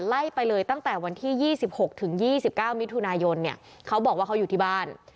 ไล่ไปเลยตั้งแต่วันที่ยี่สิบหกถึงยี่สิบเก้ามิถุนายนเนี่ยเขาบอกว่าเขาอยู่ที่บ้าน